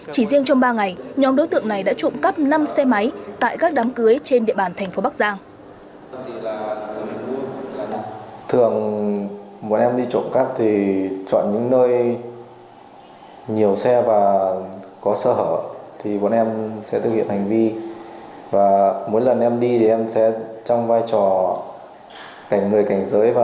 chỉ riêng trong ba ngày nhóm đối tượng này đã trộm cắp năm xe máy tại các đám cưới trên địa bàn thành phố bắc giang